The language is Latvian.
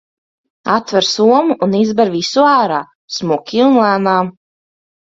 Atver somu un izber visu ārā, smuki un lēnām.